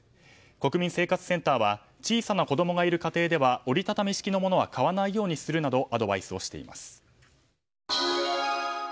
国民生活センターは小さな子供がいる家庭では折り畳み式のものは買わないようにするなどアドバイスをしています。